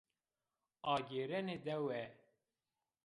Agêrenê dewe